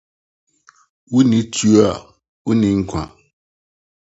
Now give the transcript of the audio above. Wunni tuo a, wunni nkwa.